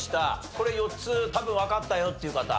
これ４つ多分わかったよっていう方？